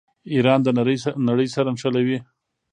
ایران د نړۍ سره نښلوي.